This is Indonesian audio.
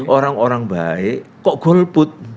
orang orang baik kok golput